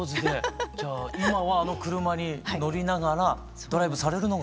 じゃあ今はあの車に乗りながらドライブされるのが？